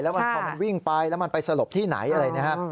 แล้วมันพอมันวิ่งไปแล้วมันไปสลบที่ไหน